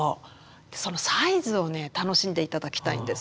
そのサイズをね楽しんで頂きたいんです。